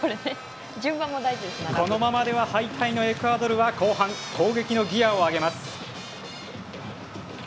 このままでは敗退のエクアドルは後半、攻撃のギヤを上げます。